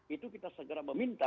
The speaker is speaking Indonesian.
itu kita segera meminta